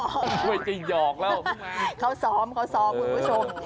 ช่วยจะหยอกแล้วเขาซ้อมเขาซ้อมคุณผู้ชม